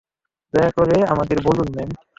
দয়া করে আমাদের বলুন, ম্যাম।